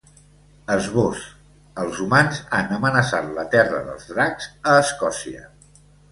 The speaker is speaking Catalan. Esbós: Els humans han amenaçat la terra dels dracs, a Escòcia.